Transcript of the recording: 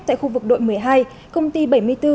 tại khu vực đội một mươi hai công ty bảy mươi bốn